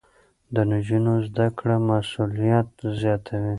د نجونو زده کړه مسؤليت زياتوي.